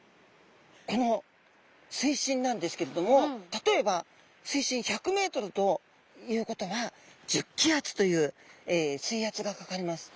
この水深なんですけれども例えば水深１００ｍということは１０気圧という水圧がかかります。